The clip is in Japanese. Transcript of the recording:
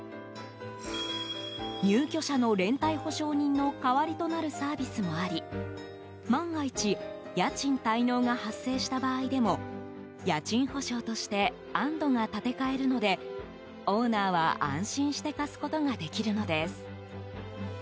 入居者の連帯保証人の代わりとなるサービスもあり万が一家賃滞納が発生した場合でも家賃保証としてあんどが立て替えるのでオーナーは、安心して貸すことができるのです。